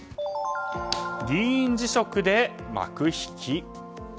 議員辞職で幕引き？